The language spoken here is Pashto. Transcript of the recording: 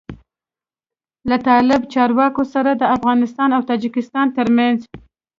له طالب چارواکو سره د افغانستان او تاجکستان تر منځ